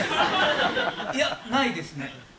いや、ないですね。